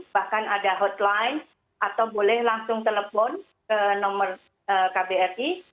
bahkan ada hotline atau boleh langsung telepon ke nomor kbri